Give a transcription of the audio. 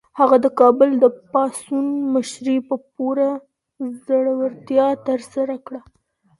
هغه د کابل د پاڅون مشري په پوره زړورتیا ترسره کړه.